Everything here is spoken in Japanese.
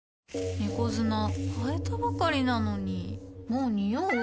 猫砂替えたばかりなのにもうニオう？